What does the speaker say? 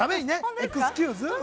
エクスキューズ？